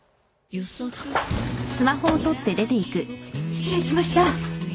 失礼しました。